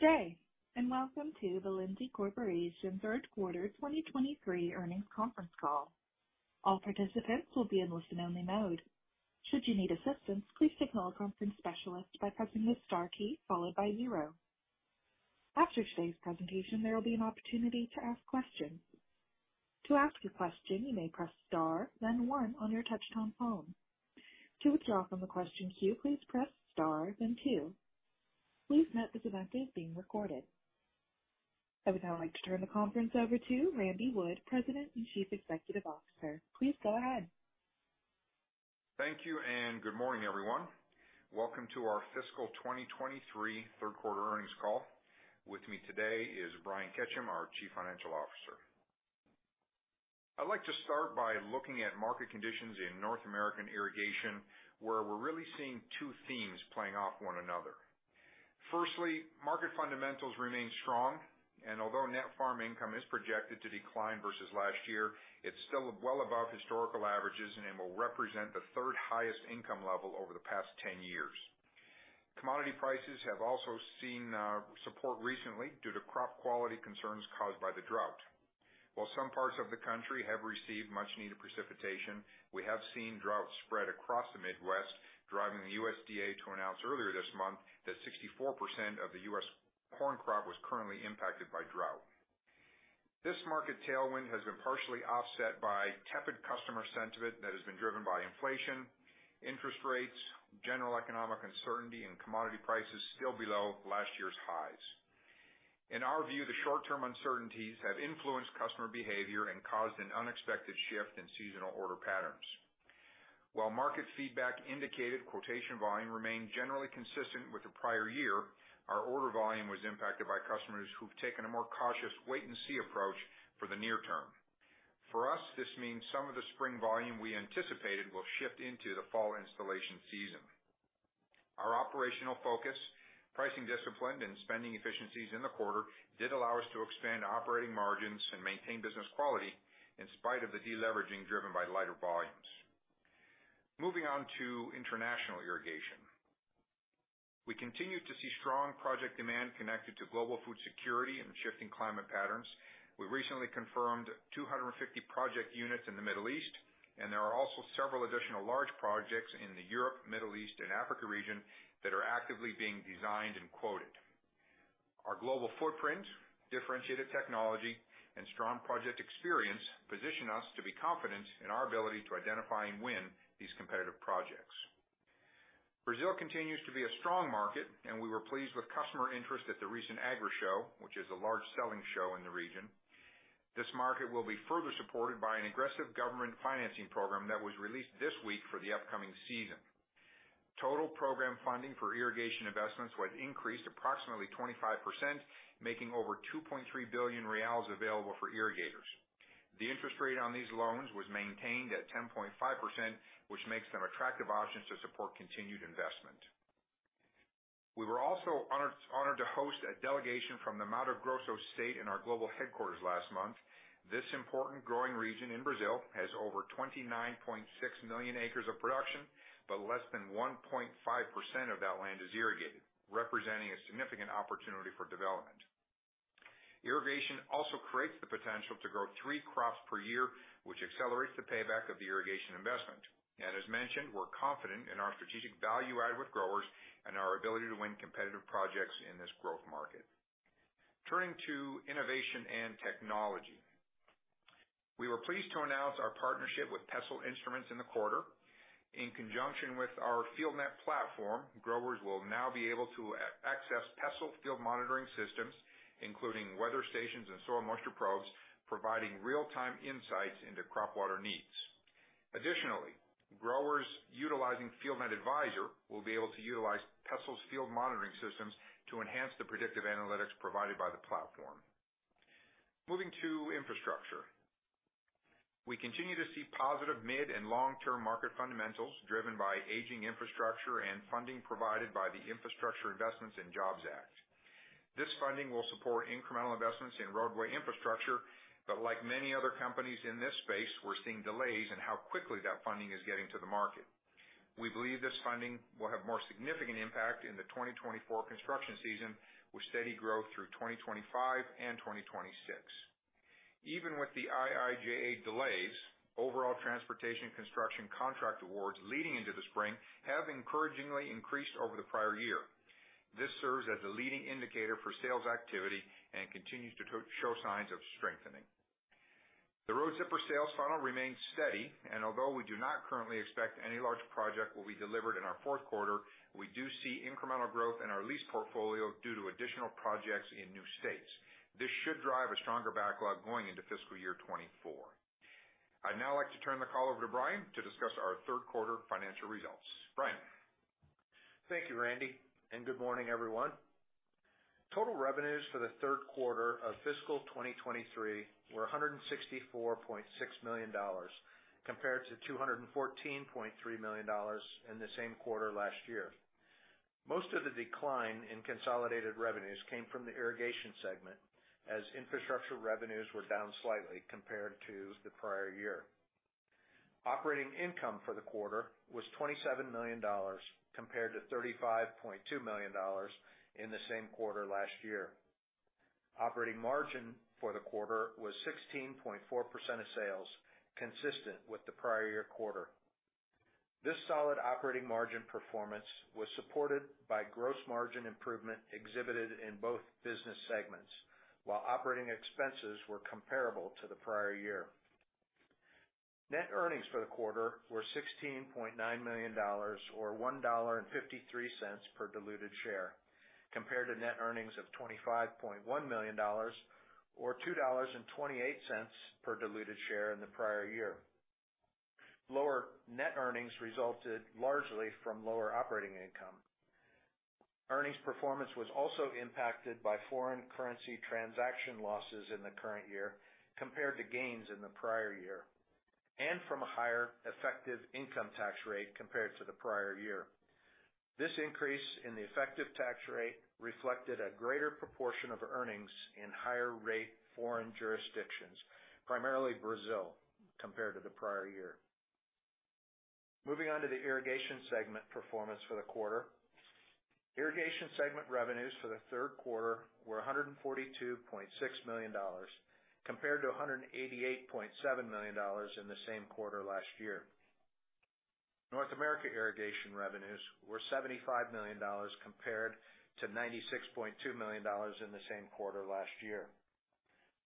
Good day. Welcome to the Lindsay Corporation's Q3 2023 earnings conference call. All participants will be in listen-only mode. Should you need assistance, please signal a conference specialist by pressing the star key followed by zero. After today's presentation, there will be an opportunity to ask questions. To ask a question, you may press star, then 1 on your touchtone phone. To withdraw from the question queue, please press star then 2. Please note this event is being recorded. I would now like to turn the conference over to Randy Wood, President and Chief Executive Officer. Please go ahead. Thank you and good morning, everyone. Welcome to our fiscal 2023 Q3 earnings call. With me today is Brian Ketcham, our Chief Financial Officer. I'd like to start by looking at market conditions in North American irrigation, where we're really seeing 2 themes playing off one another. Firstly, market fundamentals remain strong, and although net farm income is projected to decline versus last year, it's still well above historical averages and it will represent the 3rd highest income level over the past 10 years. Commodity prices have also seen support recently due to crop quality concerns caused by the drought. While some parts of the country have received much needed precipitation, we have seen drought spread across the Midwest, driving the USDA to announce earlier this month that 64% of the U.S. corn crop was currently impacted by drought. This market tailwind has been partially offset by tepid customer sentiment that has been driven by inflation, interest rates, general economic uncertainty, and commodity prices still below last year's highs. In our view, the short-term uncertainties have influenced customer behavior and caused an unexpected shift in seasonal order patterns. While market feedback indicated quotation volume remained generally consistent with the prior year, our order volume was impacted by customers who've taken a more cautious wait and see approach for the near term. For us, this means some of the spring volume we anticipated will shift into the fall installation season. Our operational focus, pricing discipline, and spending efficiencies in the quarter did allow us to expand operating margins and maintain business quality in spite of the deleveraging driven by lighter volumes. Moving on to international irrigation. We continue to see strong project demand connected to global food security and shifting climate patterns. We recently confirmed 250 project units in the Middle East, and there are also several additional large projects in the Europe, Middle East, and Africa region that are actively being designed and quoted. Our global footprint, differentiated technology, and strong project experience position us to be confident in our ability to identify and win these competitive projects. Brazil continues to be a strong market, and we were pleased with customer interest at the recent Agrishow, which is a large selling show in the region. This market will be further supported by an aggressive government financing program that was released this week for the upcoming season. Total program funding for irrigation investments was increased approximately 25%, making over 2.3 billion reais available for irrigators. The interest rate on these loans was maintained at 10.5%, which makes them attractive options to support continued investment. We were also honored to host a delegation from the Mato Grosso state in our global headquarters last month. This important growing region in Brazil has over 29.6 million acres of production, but less than 1.5% of that land is irrigated, representing a significant opportunity for development. Irrigation also creates the potential to grow three crops per year, which accelerates the payback of the irrigation investment. As mentioned, we're confident in our strategic value add with growers and our ability to win competitive projects in this growth market. Turning to innovation and technology. We were pleased to announce our partnership with Pessl Instruments in the quarter. In conjunction with our FieldNET platform, growers will now be able to access Pessl field monitoring systems, including weather stations and soil moisture probes, providing real-time insights into crop water needs. Growers utilizing FieldNET Advisor will be able to utilize Pessl's field monitoring systems to enhance the predictive analytics provided by the platform. Moving to infrastructure. We continue to see positive mid and long-term market fundamentals driven by aging infrastructure and funding provided by the Infrastructure Investment and Jobs Act. This funding will support incremental investments in roadway infrastructure, like many other companies in this space, we're seeing delays in how quickly that funding is getting to the market. We believe this funding will have more significant impact in the 2024 construction season, with steady growth through 2025 and 2026. Even with the IIJA delays, overall transportation construction contract awards leading into the spring have encouragingly increased over the prior year. This serves as a leading indicator for sales activity and continues to show signs of strengthening. The Road Zipper sales funnel remains steady, and although we do not currently expect any large project will be delivered in our Q4, we do see incremental growth in our lease portfolio due to additional projects in new states. This should drive a stronger backlog going into fiscal year 2024. I'd now like to turn the call over to Brian to discuss our Q3 financial results. Brian? Thank you, Randy, and good morning, everyone. Total revenues for the Q3 of fiscal 2023 were $164.6 million, compared to $214.3 million in the same quarter last year. Most of the decline in consolidated revenues came from the irrigation segment, as infrastructure revenues were down slightly compared to the prior year. Operating income for the quarter was $27 million compared to $35.2 million in the same quarter last year. Operating margin for the quarter was 16.4% of sales, consistent with the prior year quarter. This solid operating margin performance was supported by gross margin improvement exhibited in both business segments, while operating expenses were comparable to the prior year. Net earnings for the quarter were $16.9 million, or $1.53 per diluted share, compared to net earnings of $25.1 million or $2.28 per diluted share in the prior year. Lower net earnings resulted largely from lower operating income. Earnings performance was also impacted by foreign currency transaction losses in the current year compared to gains in the prior year, and from a higher effective income tax rate compared to the prior year. This increase in the effective tax rate reflected a greater proportion of earnings in higher rate foreign jurisdictions, primarily Brazil, compared to the prior year. Moving on to the irrigation segment performance for the quarter. Irrigation segment revenues for the Q3 were $142.6 million, compared to $188.7 million in the same quarter last year. North America irrigation revenues were $75 million compared to $96.2 million in the same quarter last year.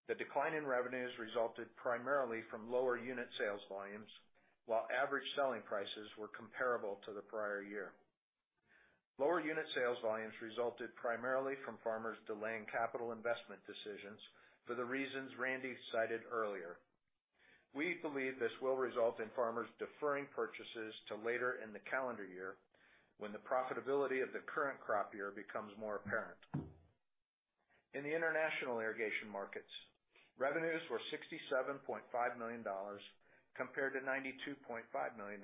The decline in revenues resulted primarily from lower unit sales volumes, while average selling prices were comparable to the prior year. Lower unit sales volumes resulted primarily from farmers delaying capital investment decisions for the reasons Randy cited earlier. We believe this will result in farmers deferring purchases to later in the calendar year, when the profitability of the current crop year becomes more apparent. In the international irrigation markets, revenues were $67.5 million compared to $92.5 million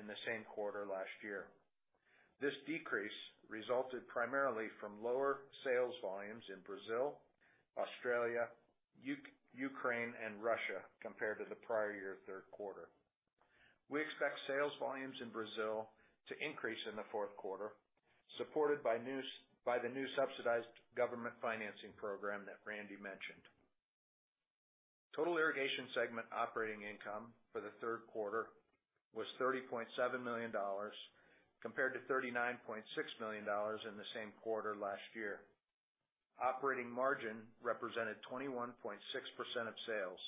in the same quarter last year. This decrease resulted primarily from lower sales volumes in Brazil, Australia, Ukraine and Russia compared to the prior year Q3. We expect sales volumes in Brazil to increase in the Q4, supported by the new subsidized government financing program that Randy mentioned. Total irrigation segment operating income for the Q3 was $30.7 million, compared to $39.6 million in the same quarter last year. Operating margin represented 21.6% of sales,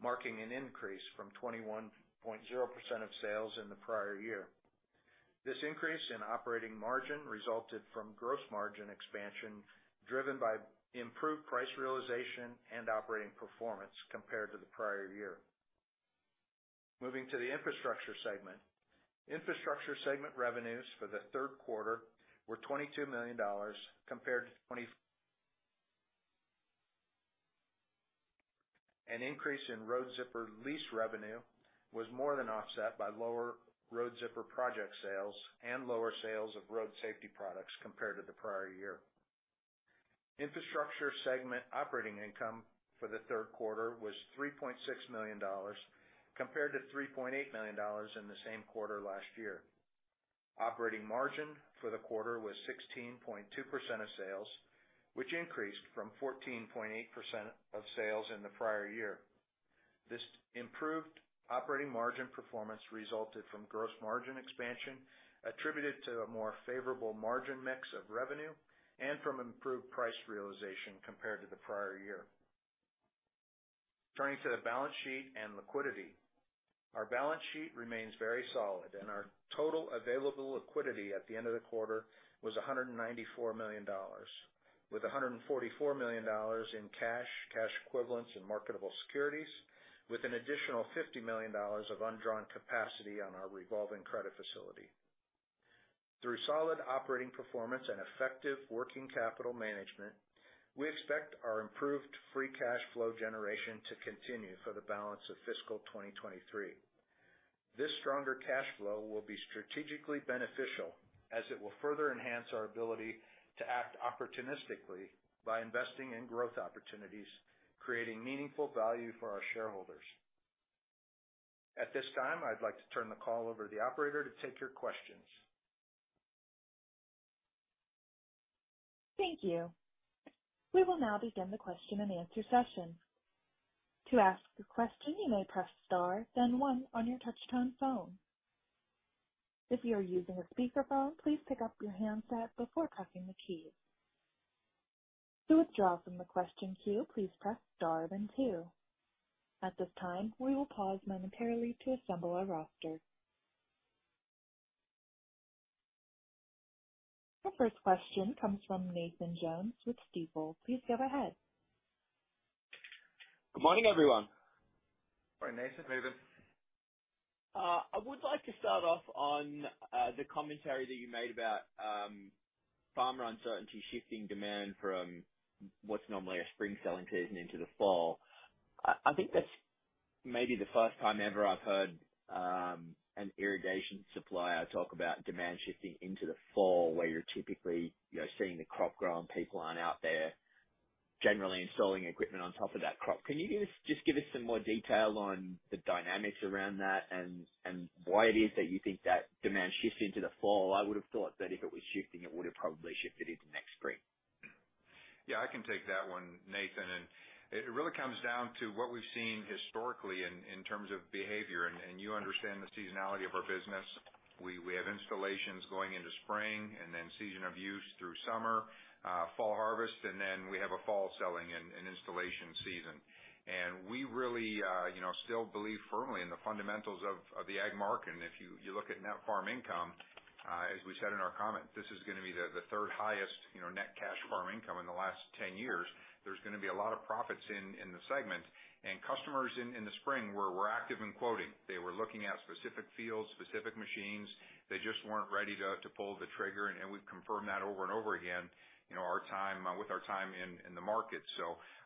marking an increase from 21.0% of sales in the prior year. This increase in operating margin resulted from gross margin expansion, driven by improved price realization and operating performance compared to the prior year. Moving to the infrastructure segment. Infrastructure segment revenues for the Q3 were $22 million. An increase in Road Zipper lease revenue was more than offset by lower Road Zipper project sales and lower sales of road safety products compared to the prior year. Infrastructure segment operating income for the Q3 was $3.6 million, compared to $3.8 million in the same quarter last year. Operating margin for the quarter was 16.2% of sales, which increased from 14.8% of sales in the prior year. This improved operating margin performance resulted from gross margin expansion, attributed to a more favorable margin mix of revenue and from improved price realization compared to the prior year. Turning to the balance sheet and liquidity. Our balance sheet remains very solid, our total available liquidity at the end of the quarter was $194 million, with $144 million in cash equivalents, and marketable securities, with an additional $50 million of undrawn capacity on our revolving credit facility. Through solid operating performance and effective working capital management, we expect our improved free cash flow generation to continue for the balance of fiscal 2023. This stronger cash flow will be strategically beneficial, as it will further enhance our ability to act opportunistically by investing in growth opportunities, creating meaningful value for our shareholders. At this time, I'd like to turn the call over to the operator to take your questions. Thank you. We will now begin the question and answer session. To ask a question, you may press star then 1 on your touchtone phone. If you are using a speakerphone, please pick up your handset before pressing the key. To withdraw from the question queue, please press star then 2. At this time, we will pause momentarily to assemble our roster. The first question comes from Nathan Jones with Stifel. Please go ahead. Good morning, everyone. Morning, Nathan. I would like to start off on the commentary that you made about farmer uncertainty shifting demand from what's normally a spring selling season into the fall. I think that's maybe the first time ever I've heard an irrigation supplier talk about demand shifting into the fall, where you're typically, you know, seeing the crop grown, people aren't out there generally installing equipment on top of that crop. Can you just give us some more detail on the dynamics around that and why it is that you think that demand shifts into the fall? I would have thought that if it was shifting, it would have probably shifted into next spring. Yeah, I can take that one, Nathan, it really comes down to what we've seen historically in terms of behavior. You understand the seasonality of our business. We have installations going into spring and then season of use through summer, fall harvest, and then we have a fall selling and installation season. We really, you know, still believe firmly in the fundamentals of the ag market. If you look at net farm income, as we said in our comment, this is gonna be the 3rd highest, you know, net cash farm income in the last 10 years. There's gonna be a lot of profits in the segment, and customers in the spring were active in quoting. They were looking at specific fields, specific machines. They just weren't ready to pull the trigger, and we've confirmed that over and over again, you know, with our time in the market.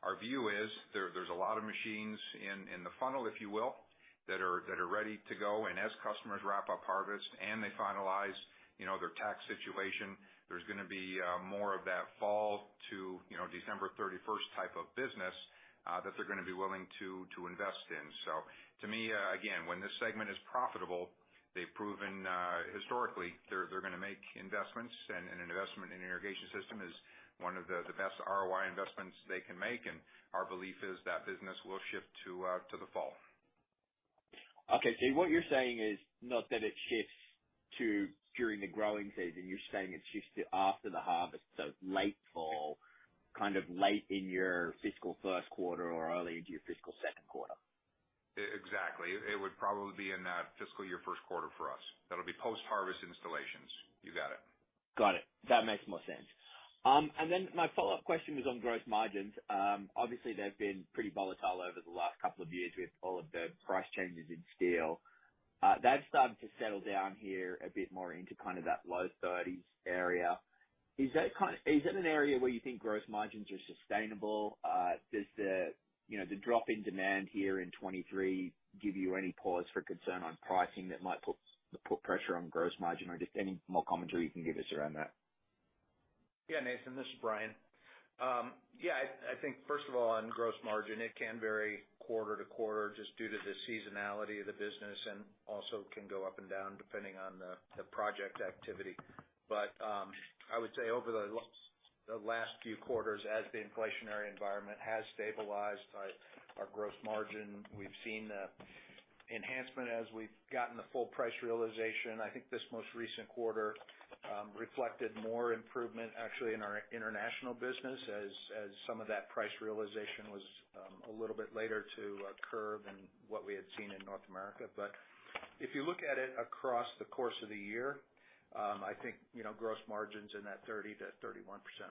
Our view is there's a lot of machines in the funnel, if you will, that are ready to go. As customers wrap up harvest and they finalize, you know, their tax situation, there's gonna be more of that fall to, you know, December 31st type of business that they're gonna be willing to invest in. To me, again, when this segment is profitable, they've proven historically, they're gonna make investments, and an investment in an irrigation system is one of the best ROI investments they can make. Our belief is that business will shift to the fall. What you're saying is not that it shifts to during the growing season, you're saying it shifts to after the harvest, so late fall, kind of late in your fiscal Q1 or early into your fiscal Q2. Exactly. It would probably be in that fiscal year Q1 for us. That'll be post-harvest installations. You got it. Got it. That makes more sense. My follow-up question was on gross margins. Obviously, they've been pretty volatile over the last couple of years with all of the price changes in steel. That's started to settle down here a bit more into kind of that low 30s area. Is that an area where you think gross margins are sustainable? Does the, you know, the drop in demand here in 2023 give you any pause for concern on pricing that might put pressure on gross margin or just any more commentary you can give us around that? Yeah, Nathan, this is Brian. Yeah, I think first of all, on gross margin, it can vary quarter to quarter just due to the seasonality of the business and also can go up and down depending on the project activity. I would say over the last few quarters, as the inflationary environment has stabilized, our gross margin, we've seen an enhancement as we've gotten the full price realization. I think this most recent quarter, reflected more improvement actually in our international business as some of that price realization was a little bit later to curve than what we had seen in North America. If you look at it across the course of the year, I think, you know, gross margins in that 30%-31%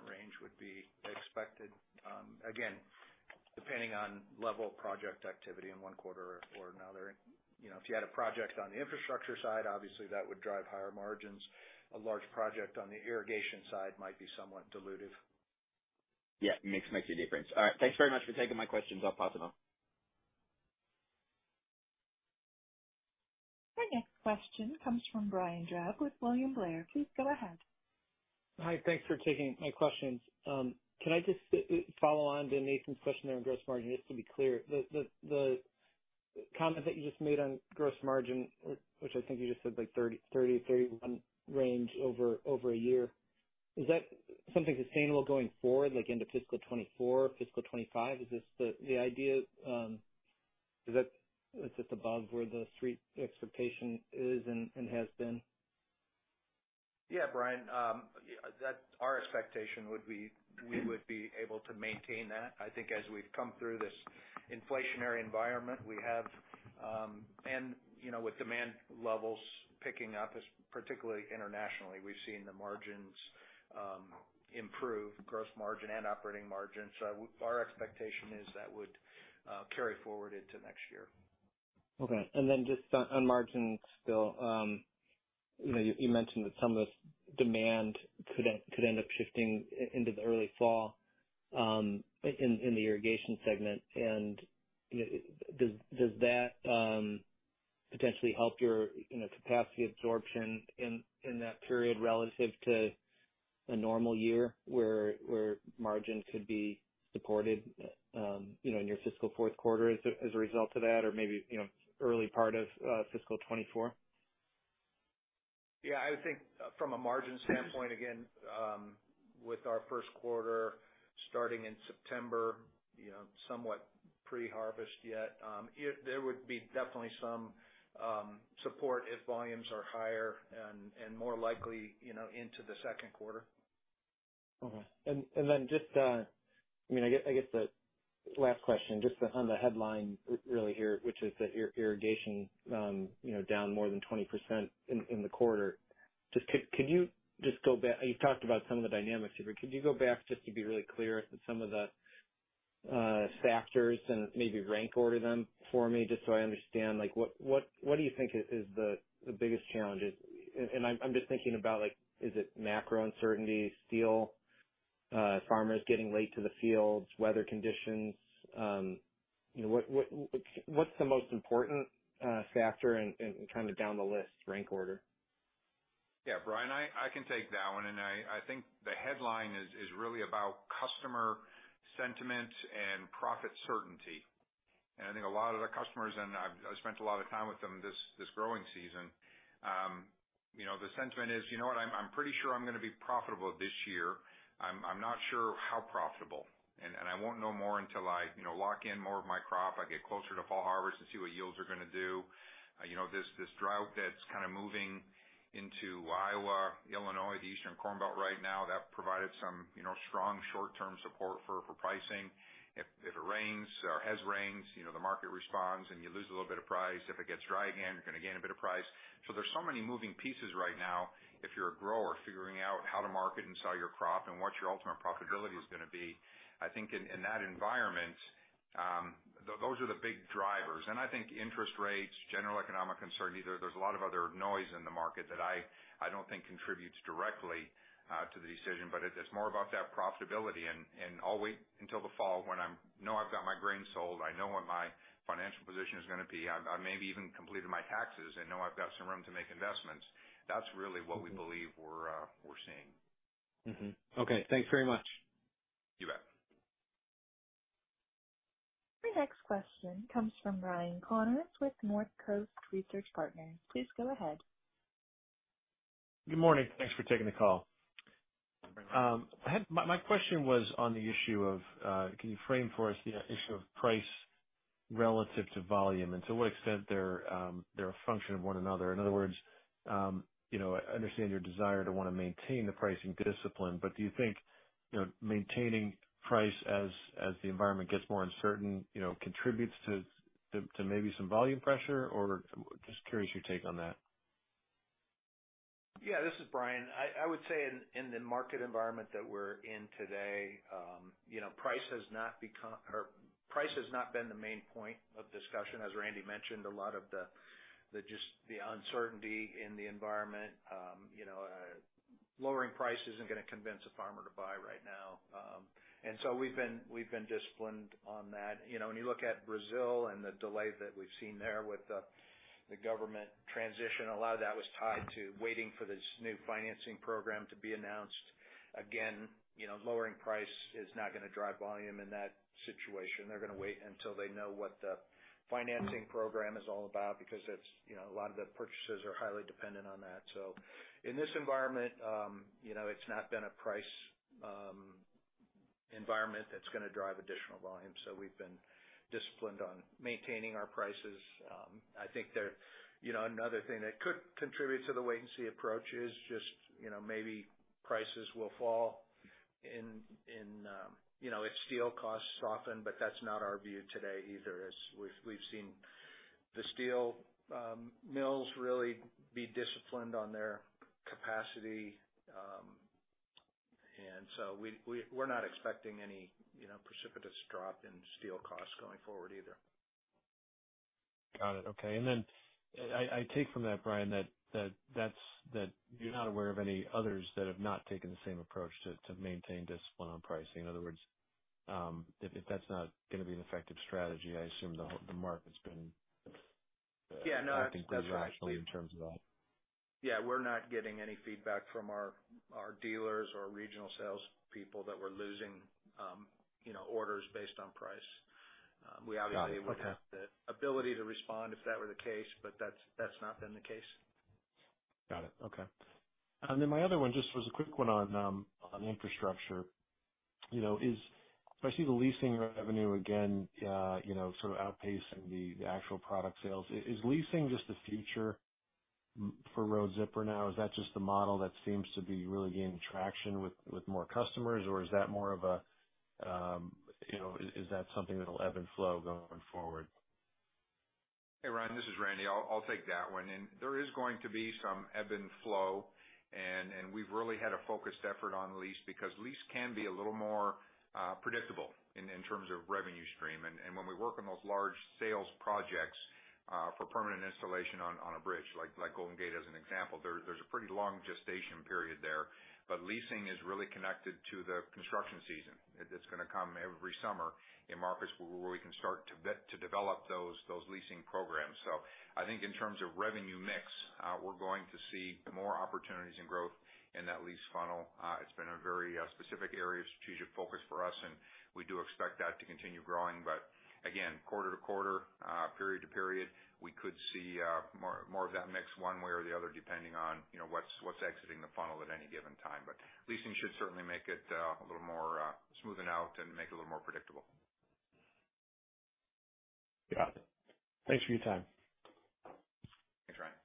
range would be expected. Again, depending on level of project activity in one quarter or another. You know, if you had a project on the infrastructure side, obviously that would drive higher margins. A large project on the irrigation side might be somewhat dilutive. Yeah, makes a difference. All right, thanks very much for taking my questions. I'll pass it on. Our next question comes from Brian Drab with William Blair. Please go ahead. Hi, thanks for taking my questions. Can I just follow on to Nathan's question there on gross margin, just to be clear, the comment that you just made on gross margin, which I think you just said like 30-31 range over a year, is that something sustainable going forward, like into fiscal 2024, fiscal 2025? Is this the idea? Is that above where the street expectation is and has been? Brian, yeah, that's our expectation would be, we would be able to maintain that. I think as we've come through this inflationary environment, we have, and, you know, with demand levels picking up, as particularly internationally, we've seen the margins, improve, gross margin and operating margin. Our expectation is that would carry forward into next year. Okay. Then just on margins still, you know, you mentioned that some of the demand could end up shifting into the early fall, in the irrigation segment. You know, does that potentially help your, you know, capacity absorption in that period relative to a normal year, where margins could be supported, you know, in your fiscal Q4 as a result of that, or maybe, you know, early part of fiscal 2024? I would think from a margin standpoint, again, with our Q1 starting in September, you know, somewhat pre-harvest yet, there would be definitely some support if volumes are higher and more likely, you know, into the Q2. Okay. Then just, I mean, I guess, I guess the last question, just on the headline really here, which is that irrigation, you know, down more than 20% in the quarter. Just could you just go back. You've talked about some of the dynamics here, but could you go back just to be really clear, some of the factors and maybe rank order them for me just so I understand, like, what do you think is the biggest challenges? I'm just thinking about like, is it macro uncertainty, steel? Farmers getting late to the fields, weather conditions? you know, what's the most important factor and kind of down the list, rank order? Yeah, Brian, I can take that one. I think the headline is really about customer sentiment and profit certainty. I think a lot of the customers, and I've, I spent a lot of time with them this growing season, you know, the sentiment is: You know what? I'm pretty sure I'm gonna be profitable this year. I'm not sure how profitable, and I won't know more until I, you know, lock in more of my crop. I get closer to fall harvest and see what yields are gonna do. You know, this drought that's kind of moving into Iowa, Illinois, the Eastern Corn Belt right now, that provided some, you know, strong short-term support for pricing. If it rains or has rained, you know, the market responds, and you lose a little bit of price. If it gets dry again, you're gonna gain a bit of price. There's so many moving pieces right now if you're a grower, figuring out how to market and sell your crop and what your ultimate profitability is gonna be. I think in that environment, those are the big drivers. I think interest rates, general economic concern, either there's a lot of other noise in the market that I don't think contributes directly to the decision, but it's more about that profitability. I'll wait until the fall when I know I've got my grain sold, I know what my financial position is gonna be. I maybe even completed my taxes and know I've got some room to make investments. That's really what we believe we're seeing. Mm-hmm. Okay, thanks very much. You bet. The next question comes from Ryan Connors with Northcoast Research Partners. Please go ahead. Good morning. Thanks for taking the call. Good morning. My question was on the issue of, can you frame for us the issue of price relative to volume, and to what extent they're a function of one another? In other words, you know, I understand your desire to want to maintain the pricing discipline, but do you think, you know, maintaining price as the environment gets more uncertain, you know, contributes to maybe some volume pressure, or just curious your take on that? Yeah, this is Brian. I would say in the market environment that we're in today, you know, price has not been the main point of discussion. As Randy mentioned, a lot of the, just, the uncertainty in the environment, you know, lowering price isn't gonna convince a farmer to buy right now. So we've been disciplined on that. You know, when you look at Brazil and the delay that we've seen there with the government transition, a lot of that was tied to waiting for this new financing program to be announced. Again, you know, lowering price is not gonna drive volume in that situation. They're gonna wait until they know what the financing program is all about, because that's, you know, a lot of the purchases are highly dependent on that. In this environment, you know, it's not been a price, environment that's going to drive additional volume, so we've been disciplined on maintaining our prices. I think there, you know, another thing that could contribute to the wait-and-see approach is just, you know, maybe prices will fall in, you know, if steel costs soften, but that's not our view today either, as we've seen the steel, mills really be disciplined on their capacity. We're not expecting any, you know, precipitous drop in steel costs going forward either. Got it. Okay. I take from that, Brian, that's that you're not aware of any others that have not taken the same approach to maintain discipline on pricing. In other words, if that's not gonna be an effective strategy, I assume the whole market's been. Yeah, no, that's. Acting rationally in terms of that. We're not getting any feedback from our dealers or regional salespeople that we're losing, you know, orders based on price. Got it. Okay. Would have the ability to respond if that were the case, but that's not been the case. Got it. Okay. My other one just was a quick one on infrastructure. You know, I see the leasing revenue again, you know, sort of outpacing the actual product sales. Is leasing just the future for Road Zipper now? Is that just the model that seems to be really gaining traction with more customers, or is that more of a, you know, is that something that'll ebb and flow going forward? Hey, Ryan, this is Randy. I'll take that one. There is going to be some ebb and flow, and we've really had a focused effort on lease, because lease can be a little more predictable in terms of revenue stream. When we work on those large sales projects, for permanent installation on a bridge, like Golden Gate as an example, there's a pretty long gestation period there. Leasing is really connected to the construction season. It's gonna come every summer in markets where we can start to develop those leasing programs. I think in terms of revenue mix, we're going to see more opportunities and growth in that lease funnel. It's been a very specific area of strategic focus for us, and we do expect that to continue growing. Again, quarter to quarter, period to period, we could see more of that mix one way or the other, depending on, you know, what's exiting the funnel at any given time. Leasing should certainly make it a little more smoothen out and make it a little more predictable. Got it. Thanks for your time. Thanks, Ryan.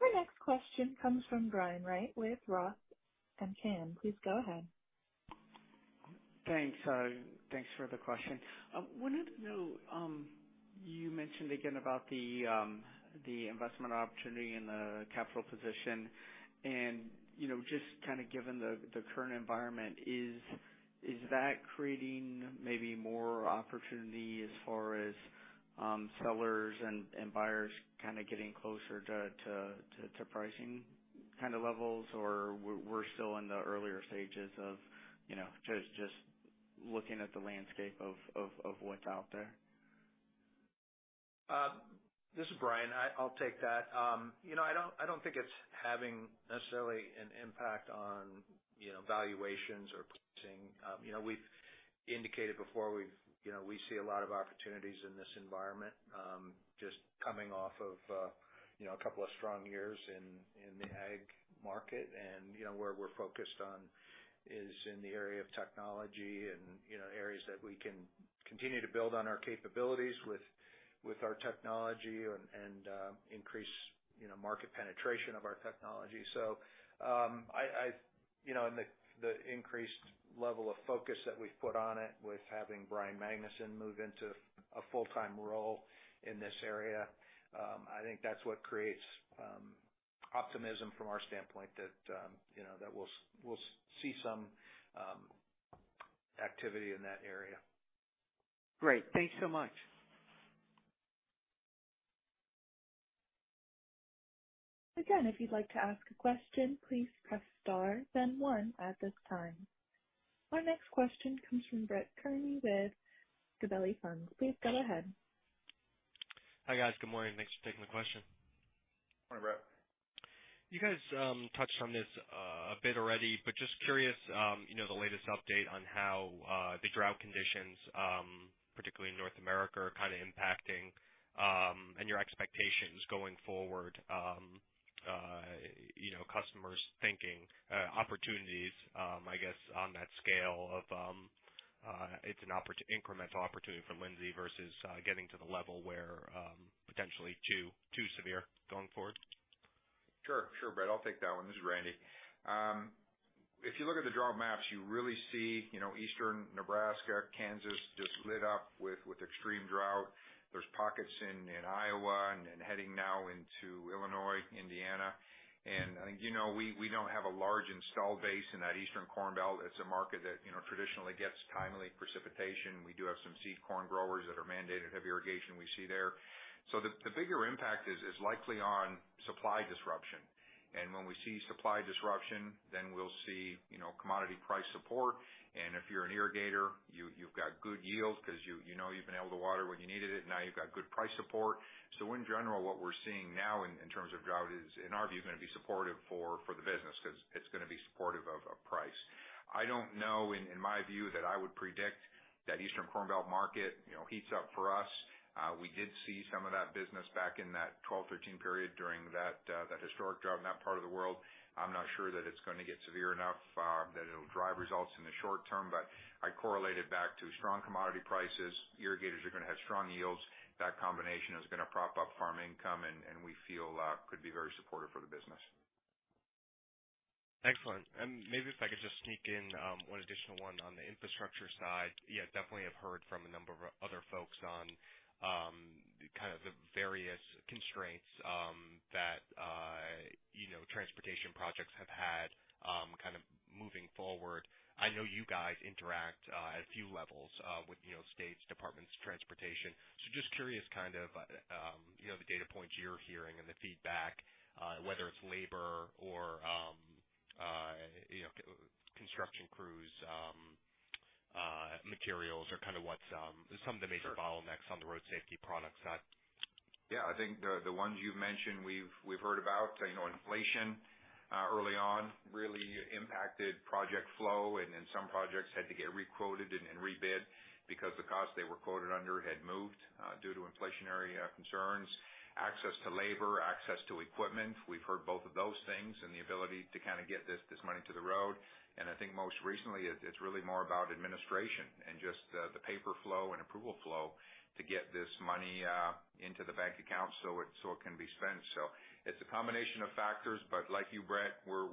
Our next question comes from Brian Wright with ROTH Capital Partners. Please go ahead. Thanks, thanks for the question. Wanted to know, you mentioned again about the investment opportunity and the capital position and, you know, just kind of given the current environment is that creating maybe more opportunity as far as, sellers and buyers kind of getting closer to pricing kind of levels? We're still in the earlier stages of, you know, just. looking at the landscape of what's out there? This is Brian. I'll take that. You know, I don't, I don't think it's having necessarily an impact on, you know, valuations or purchasing. You know, we've indicated before, we've, you know, we see a lot of opportunities in this environment, just coming off of, you know, a couple of strong years in the ag market. You know, where we're focused on is in the area of technology and, you know, areas that we can continue to build on our capabilities with our technology and, increase, you know, market penetration of our technology. I, you know, and the increased level of focus that we've put on it with having Brian Magnusson move into a full-time role in this area, I think that's what creates optimism from our standpoint, that, you know, that we'll see some activity in that area. Great. Thanks so much. Again, if you'd like to ask a question, please press star then one at this time. Our next question comes from Brett Kearney with Gabelli Funds. Please go ahead. Hi, guys. Good morning. Thanks for taking the question. Morning, Brett. You guys, touched on this a bit already, but just curious, you know, the latest update on how the drought conditions, particularly in North America, are kind of impacting, and your expectations going forward. You know, customers thinking opportunities, I guess, on that scale of, it's an incremental opportunity for Lindsay versus, getting to the level where potentially too severe going forward? Sure, Brett, I'll take that one. This is Randy. If you look at the drought maps, you really see, you know, eastern Nebraska, Kansas, just lit up with extreme drought. There's pockets in Iowa and heading now into Illinois, Indiana. You know, we don't have a large install base in that Eastern Corn Belt. It's a market that, you know, traditionally gets timely precipitation. We do have some seed corn growers that are mandated to have irrigation we see there. The bigger impact is likely on supply disruption, and when we see supply disruption, then we'll see, you know, commodity price support. If you're an irrigator, you've got good yields because you know you've been able to water when you needed it. Now you've got good price support. In general, what we're seeing now in terms of drought is, in our view, going to be supportive for the business, because it's going to be supportive of price. I don't know, in my view, that I would predict that Eastern Corn Belt market, you know, heats up for us. We did see some of that business back in that 12, 13 period during that historic drought in that part of the world. I'm not sure that it's going to get severe enough that it'll drive results in the short term, but I correlate it back to strong commodity prices. Irrigators are going to have strong yields. That combination is going to prop up farm income, and we feel could be very supportive for the business. Excellent. Maybe if I could just sneak in one additional one on the infrastructure side. Yeah, definitely have heard from a number of other folks on kind of the various constraints that, you know, transportation projects have had kind of moving forward. I know you guys interact at a few levels with, you know, states, departments, transportation. Just curious, kind of, you know, the data points you're hearing and the feedback, whether it's labor or, you know, construction crews, materials are kind of what's some of the major bottlenecks. Sure On the road safety product side. Yeah, I think the ones you've mentioned, we've heard about. You know, inflation early on really impacted project flow, then some projects had to get requoted and rebid because the cost they were quoted under had moved due to inflationary concerns. Access to labor, access to equipment, we've heard both of those things and the ability to kind of get this money to the road. I think most recently, it's really more about administration and just the paper flow and approval flow to get this money into the bank account so it can be spent. It's a combination of factors, but like you, Brett, we're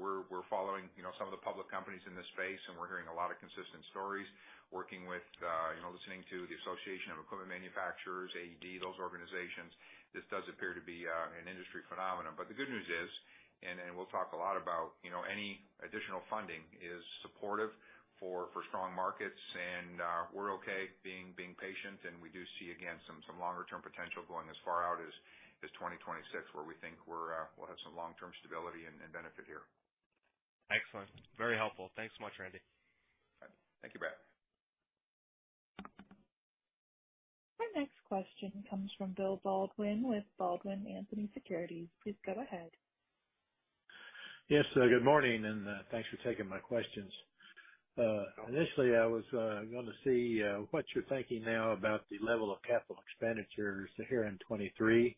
following, you know, some of the public companies in this space, and we're hearing a lot of consistent stories, working with, you know, listening to the Association of Equipment Manufacturers, AED, those organizations. This does appear to be an industry phenomenon. The good news is, and we'll talk a lot about, you know, any additional funding is supportive for strong markets, and we're okay being patient, and we do see, again, some longer term potential going as far out as 2026, where we think we'll have some long-term stability and benefit here. Excellent. Very helpful. Thanks so much, Randy. Thank you, Brett. Our next question comes from Bill Baldwin with Baldwin Anthony Securities. Please go ahead. Yes, good morning, and thanks for taking my questions. Initially, I was going to see what you're thinking now about the level of capital expenditures here in 2023.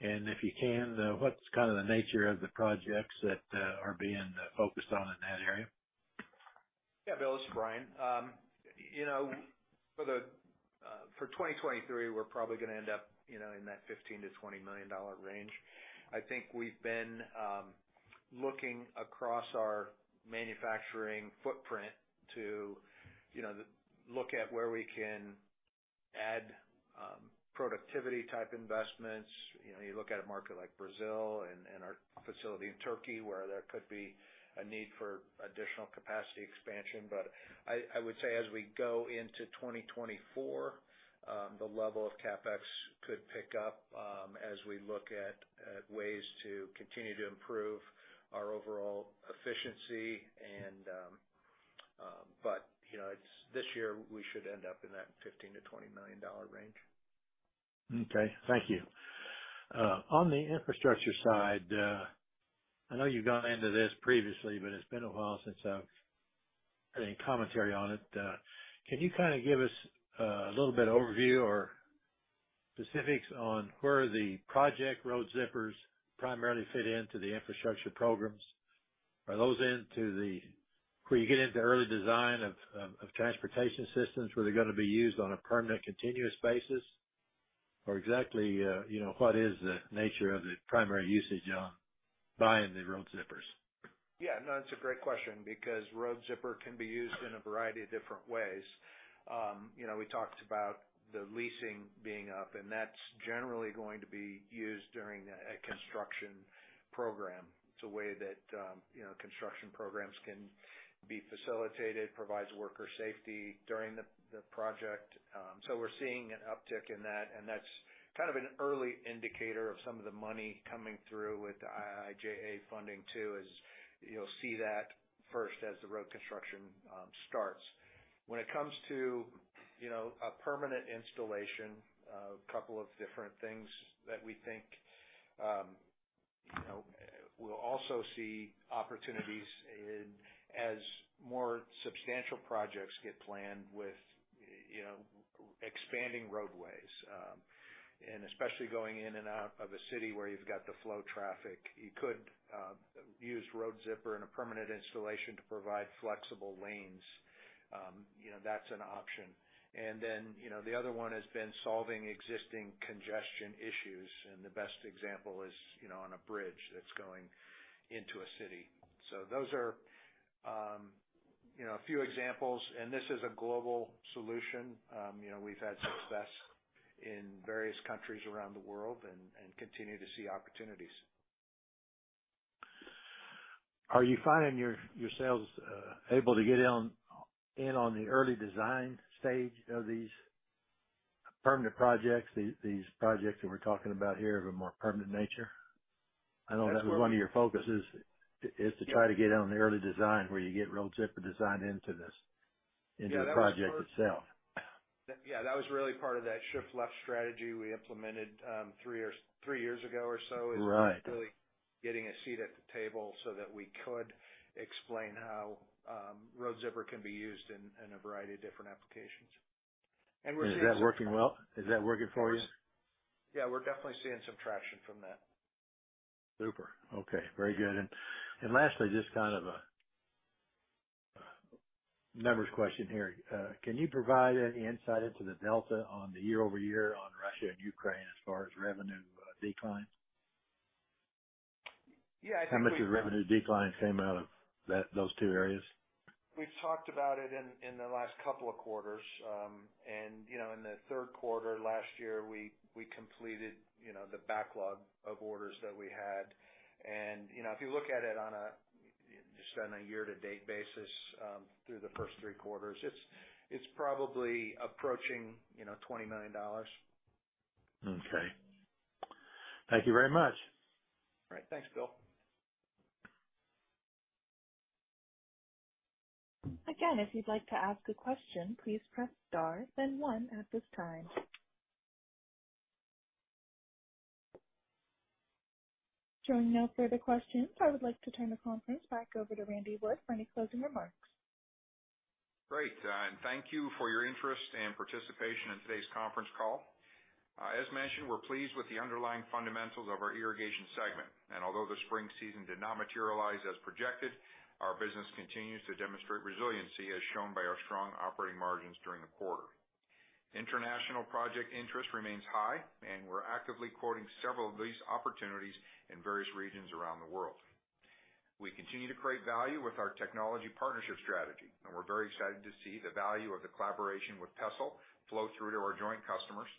If you can, what's kind of the nature of the projects that are being focused on in that area? Yeah, Bill, this is Brian. You know, for the for 2023, we're probably gonna end up, you know, in that $15 million-$20 million range. I think we've been looking across our manufacturing footprint to, you know, look at where we can add productivity type investments. You know, you look at a market like Brazil and our facility in Turkey, where there could be a need for additional capacity expansion. I would say as we go- into 2024, the level of CapEx could pick up, as we look at ways to continue to improve our overall efficiency and, but, you know, this year, we should end up in that $15 million-$20 million range. Okay. Thank you. On the infrastructure side, I know you've gone into this previously, but it's been a while since I've had any commentary on it. Can you kind of give us a little bit of overview or specifics on where the project Road Zippers primarily fit into the infrastructure programs? Are those into the, where you get into early design of transportation systems, where they're gonna be used on a permanent, continuous basis? Exactly, you know, what is the nature of the primary usage on buying the Road Zippers? Yeah, no, that's a great question, because Road Zipper can be used in a variety of different ways. You know, we talked about the leasing being up, that's generally going to be used during a construction program. It's a way that, you know, construction programs can be facilitated, provides worker safety during the project. We're seeing an uptick in that's kind of an early indicator of some of the money coming through with the IIJA funding, too, is you'll see that first as the road construction starts. When it comes to, you know, a permanent installation, a couple of different things that we think, you know, we'll also see opportunities in as more substantial projects get planned with, you know, expanding roadways. Especially going in and out of a city where you've got the flow traffic, you could use Road Zipper in a permanent installation to provide flexible lanes. That's an option. Then, the other one has been solving existing congestion issues, and the best example is on a bridge that's going into a city. Those are a few examples, and this is a global solution. We've had success in various countries around the world and continue to see opportunities. Are you finding yourselves able to get in on the early design stage of these permanent projects, these projects that we're talking about here of a more permanent nature? I know that was one of your focuses, is to try to get in on the early design, where you get Road Zipper design into the project itself. Yeah, that was really part of that shift left strategy we implemented, 3 years ago or so. Right. Is really getting a seat at the table so that we could explain how, Road Zipper can be used in a variety of different applications. Is that working well? Is that working for you? Yeah, we're definitely seeing some traction from that. Super. Okay, very good. Lastly, just kind of a members question here. Can you provide any insight into the delta on the year-over-year on Russia and Ukraine as far as revenue decline? Yeah, I think. How much of the revenue decline came out of that, those two areas? We've talked about it in the last couple of quarters. You know, in the Q3, last year, we completed, you know, the backlog of orders that we had. You know, if you look at it on a just on a year-to-date basis, through the 1st 3 quarter, it's probably approaching, you know, $20 million. Okay. Thank you very much. All right. Thanks, Bill. Again, if you'd like to ask a question, please press star then 1 at this time. Showing no further questions, I would like to turn the conference back over to Randy Wood for any closing remarks. Great, thank you for your interest and participation in today's conference call. As mentioned, we're pleased with the underlying fundamentals of our irrigation segment, although the spring season did not materialize as projected, our business continues to demonstrate resiliency, as shown by our strong operating margins during the quarter. International project interest remains high, we're actively quoting several of these opportunities in various regions around the world. We continue to create value with our technology partnership strategy, we're very excited to see the value of the collaboration with Pessl flow through to our joint customers.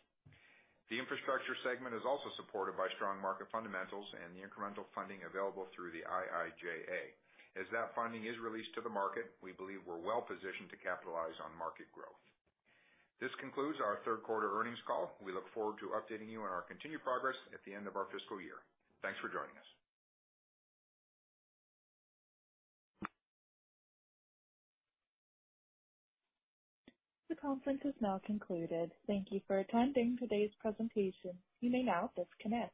The infrastructure segment is also supported by strong market fundamentals and the incremental funding available through the IIJA. As that funding is released to the market, we believe we're well positioned to capitalize on market growth. This concludes our Q3 earnings call. We look forward to updating you on our continued progress at the end of our fiscal year. Thanks for joining us. The conference is now concluded. Thank you for attending today's presentation. You may now disconnect.